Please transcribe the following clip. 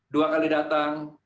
dua kali datang